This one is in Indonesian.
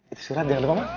itu surat jangan lupa bang